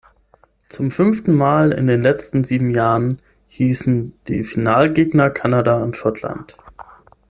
Zum fünften Mal in den letzten sieben Jahren hießen die Finalgegner Kanada und Schottland.